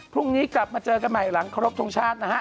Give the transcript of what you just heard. พรุ่งนี้กลับมาเจอกันใหม่หลังครบทรงชาตินะฮะ